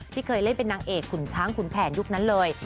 เคยเล่นเป็นนางเอกขุนช้างขุนแผนยุคนั้นเลย